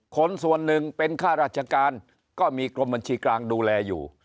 คนส่วนหนึ่งเป็นค่าราชการก็มีกรมบัญชีกลางดูแลอยู่